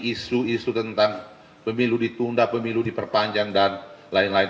isu isu tentang pemilu ditunda pemilu diperpanjang dan lain lain